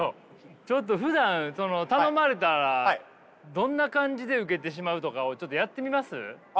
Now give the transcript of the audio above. ちょっとふだんその頼まれたらどんな感じで受けてしまうとかをちょっとやってみます？